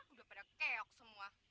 udah pada keyok semua